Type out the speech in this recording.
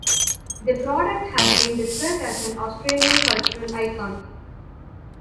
The product has been described as an Australian cultural icon.